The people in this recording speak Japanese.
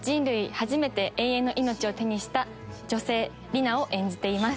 初めて永遠の命を手にした女性リナを演じています。